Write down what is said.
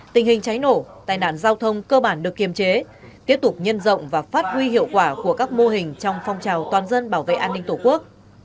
tình hình cháy nổ tai nạn giao thông cơ bản được kiềm chế tiếp tục nhân rộng và phát huy hiệu quả của các mô hình trong phong trào toàn dân bảo vệ an ninh tổ quốc